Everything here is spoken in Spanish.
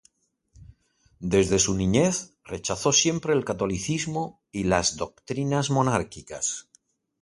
Desde su niñez, rechazó siempre el catolicismo y las doctrinas monárquicas.